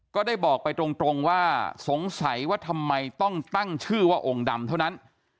ก็ได้บอกไปตรงว่าสงสัยว่าทำไมต้องตั้งชื่อว่าองค์ดำเท่านั้น